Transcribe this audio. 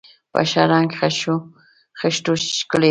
په ښه رنګ خښتو ښکلي و.